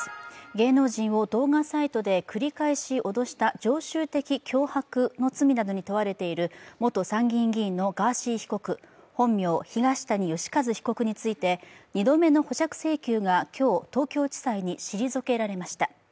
芸能人を動画サイトで繰り返し脅した常習的脅迫の罪などに問われている元参議院議員のガーシー被告本名・東谷義和被告について、２度目の保釈請求が今日、東京地裁に退けられました。